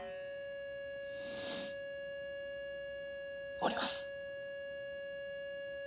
降ります。